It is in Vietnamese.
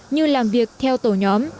như làm việc theo tổ nhóm